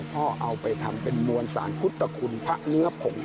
เอาไปทำเป็นมวลสารพุทธคุณพระเนื้อผง